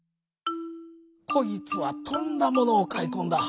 「こいつはとんだものをかいこんだ。